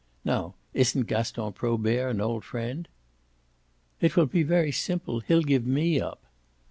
Now isn't Gaston Probert an old friend?" "It will be very simple he'll give me up."